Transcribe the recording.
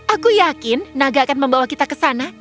aku yakin naga akan membawa kita ke sana